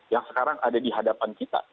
yang sekarang ada di hadapan kita